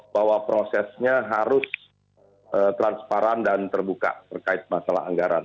bahwa prosesnya harus transparan dan terbuka terkait masalah anggaran